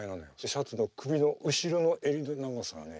シャツの後ろの襟首の長さがね